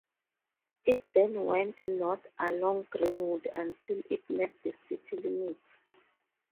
It then went north along Greenwood until it met the city limits.